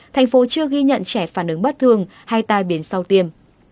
thành phố chưa ghi nhận trẻ phản ứng bất thường hay tai biến sau tiêm